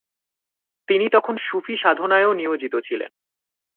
তিনি তখন সুফিসাধনায়ও নিয়োজিত ছিলেন।